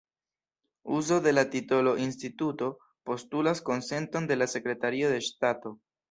Uzo de la titolo 'Instituto' postulas konsenton de la Sekretario de Ŝtato.